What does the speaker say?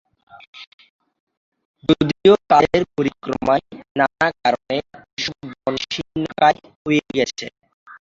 যদিও কালের পরিক্রমায় নানা কারণে এসব বন শীর্ণকায় হয়ে গেছে।